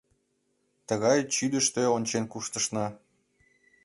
Тыгай чӱдыштӧ ончен куштышна...